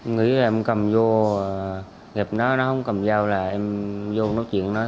nghĩ em cầm vô gặp nó nó không cầm giao lại em vô nói chuyện với nó